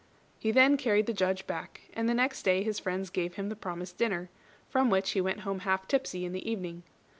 He then carried the Judge back, and the next day his friends gave him the promised dinner, from which he went home half tipsy in the evening.